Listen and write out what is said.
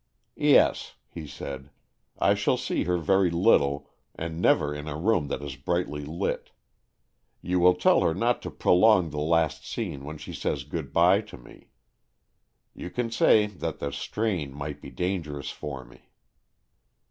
" "Yes," he said. "I shall see her very little, and never in a room that is brightly lit. You will tell her not to prolong the last scene, when she says good bye to me. You can say that the strain might be danger ous for me."